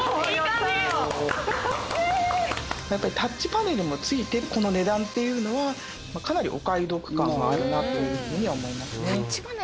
タッチパネルも付いてこの値段っていうのはかなりお買い得感があるなというふうに思いますね。